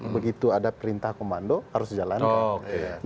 begitu ada perintah komando harus dijalankan